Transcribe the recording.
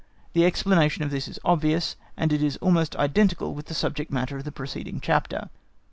The explanation of this is obvious, and it is almost identical with the subject matter of the preceding chapter.